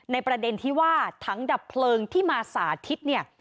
ในประเด็นที่ว่าทั้งดับเพลิงที่มาสาธิต